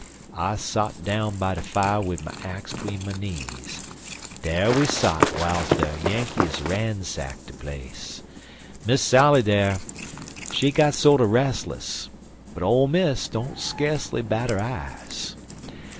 I sot down by de fier wid my axe tween my knees. Dar we sot w'iles de Yankees ransack de place. Miss Sally, dar, she got sorter restless, but Ole Miss didn't skasely bat 'er eyes.